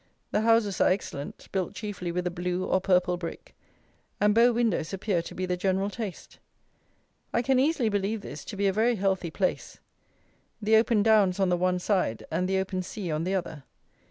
The houses are excellent, built chiefly with a blue or purple brick; and bow windows appear to be the general taste. I can easily believe this to be a very healthy place: the open downs on the one side and the open sea on the other.